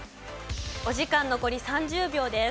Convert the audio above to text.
お時間残り３０秒です。